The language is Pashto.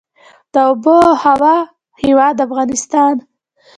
د اوبو او هوا هیواد افغانستان.